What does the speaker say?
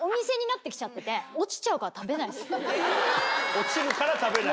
落ちるから食べない？